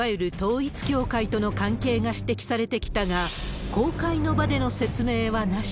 いわゆる統一教会との関係が指摘されてきたが、公開の場での説明はなし。